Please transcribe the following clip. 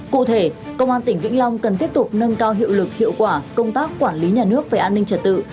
cụ thể công an tỉnh vĩnh long cần tiếp tục nâng cao hiệu lực hiệu quả công tác quản lý nhà nước về an ninh trật tự